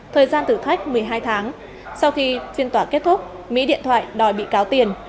thời gian thử thách một mươi hai tháng sau khi phiên tỏa kết thúc mỹ điện thoại đòi bị cáo tiền